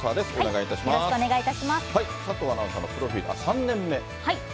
佐藤アナウンサーのプロフィール、３年目。